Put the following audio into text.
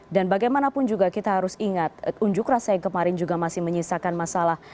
dan bagaimanapun juga kita harus ingat unjuk rasa yang kemarin juga masih menyisakan masalah